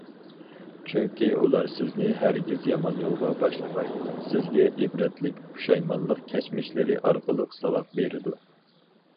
چۈنكى ئۇلار سىزنى ھەرگىز يامان يولغا باشلىمايدۇ، سىزگە ئىبرەتلىك، پۇشايمانلىق كەچمىشلىرى ئارقىلىق ساۋاق بېرىدۇ.